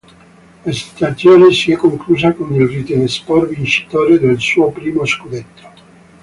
La stagione si è conclusa con il Ritten Sport vincitore del suo primo scudetto.